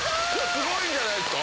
すごいんじゃないですか？